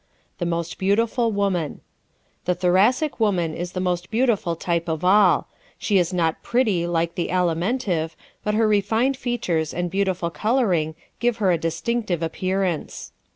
The Most Beautiful Woman ¶ The Thoracic woman is the most beautiful type of all. She is not "pretty" like the Alimentive, but her refined features and beautiful coloring give her a distinctive appearance.